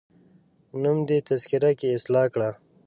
نوم دي تذکره کي اصلاح کړه